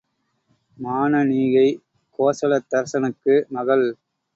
மானனீகை கோசலத்தரசனுக்கு மகள்!